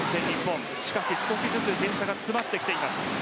少しずつ点差が詰まってきています。